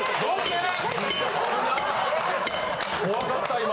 怖かった今。